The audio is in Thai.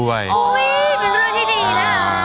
เป็นเรื่องที่ดีนะ